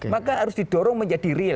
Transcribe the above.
maka harus didorong menjadi real